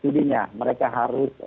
studinya mereka harus